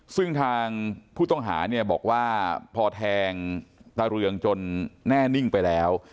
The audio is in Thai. ซึ่งทางผู้ต้องหาเนี่ยบอกว่าพอแทงตาเรืองจนแน่นิ่งไปแล้ว